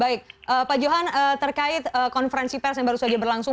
baik pak johan terkait konferensi pers yang baru saja berlangsung